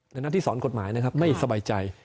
หน้าที่สอนกฎหมายนะครับไม่สบายใจ